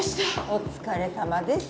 お疲れさまです。